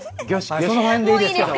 その辺でいいですよ。